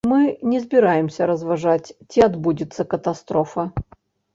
Мы не збіраемся разважаць, ці адбудзецца катастрофа.